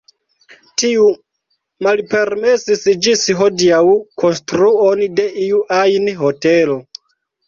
Tiu malpermesis ĝis hodiaŭ konstruon de iu ajn hotelo.